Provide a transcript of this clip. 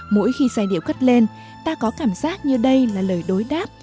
mỗi khi giai điệu cất lên ta có cảm giác như đây là lời đối đáp